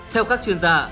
theo các chuyên gia